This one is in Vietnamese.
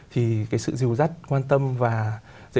thì cái sự dìu dắt quan tâm và dạy